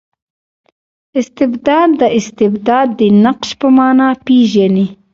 استبداد د استبداد د نقش په مانا پېژني.